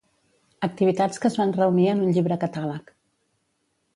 Activitats que es van reunir en un llibre-catàleg.